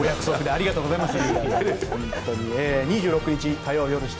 ありがとうございます。